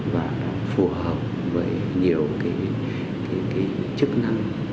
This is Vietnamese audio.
và phù hợp với nhiều cái chức năng